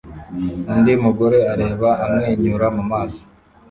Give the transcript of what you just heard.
undi mugore areba amwenyura mu maso